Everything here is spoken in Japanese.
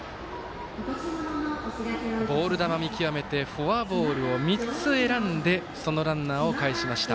ボール球、見極めてフォアボールを３つ選んでそのランナーをかえしました。